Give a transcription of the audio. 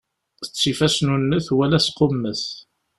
Ttif asnunnet wala asqummet.